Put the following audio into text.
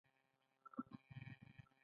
د مني ماښامونه ډېر ارام وي